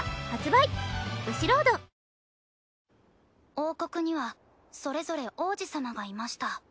王国にはそれぞれ王子様がいました。